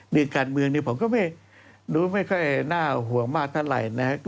การเมืองนี้ผมก็ไม่รู้ไม่ค่อยน่าห่วงมากเท่าไหร่นะครับ